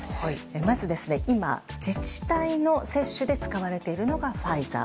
まず今自治体の接種で使われているのがファイザー。